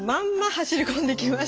走り込んできました。